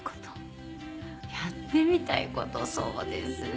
やってみたい事そうですね。